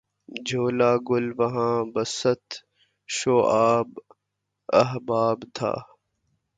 جلوہٴ گل واں بساطِ صحبتِ احباب تھا